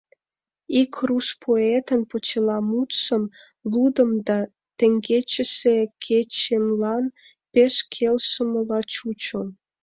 Ик руш поэтын почеламутшым лудым да теҥгечсе кечемлан пеш келшымыла чучо...